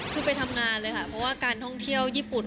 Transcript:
คือไปทำงานเลยค่ะเพราะว่าการท่องเที่ยวญี่ปุ่น